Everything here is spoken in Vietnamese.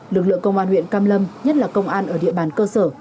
lực lượng công an huyện cam lâm nhất là công an ở địa bàn cơ sở